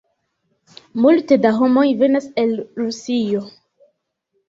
Multe da homoj venas el Rusio.